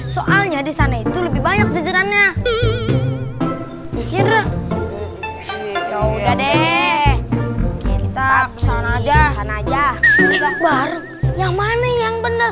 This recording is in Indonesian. soalnya disana itu lebih banyak jajarannya udah deh kita kesana aja sana aja yang mana yang bener